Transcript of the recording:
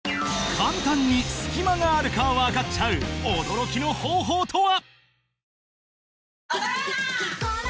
簡単に隙間があるか分かっちゃう驚きの方法とは？